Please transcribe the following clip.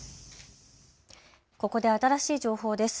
ここで新しい情報です。